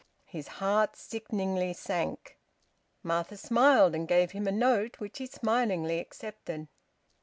His heart sickeningly sank. Martha smiled and gave him a note, which he smilingly accepted.